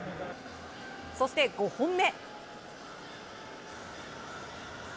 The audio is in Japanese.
そして、５本目。